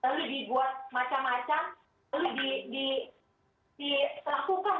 dan polisi dipaksa untuk menjelaskan orang itu dengan pasal pasal penisahan agama